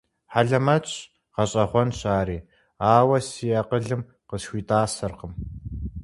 Хьэлэмэтщ, гъэщӀэгъуэнщ ари, ауэ си акъылым къысхуитӀасэркъым.